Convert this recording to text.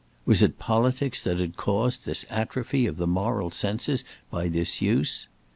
Was it politics that had caused this atrophy of the moral senses by disuse?